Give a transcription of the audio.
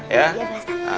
ya atuh ustaz